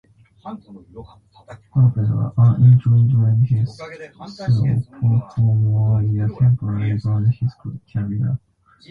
However, an injury during his sophomore year temporarily grounded his career.